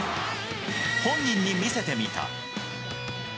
本人に見せてみた。